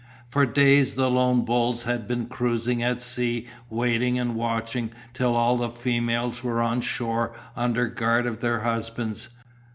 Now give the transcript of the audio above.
For days the lone bulls had been cruising at sea waiting and watching till all the females were on shore under guard of their husbands.